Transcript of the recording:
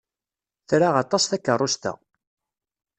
Tra aṭas takeṛṛust-a.